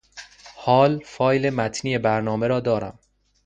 حال فایل متنی برنامه را دارم.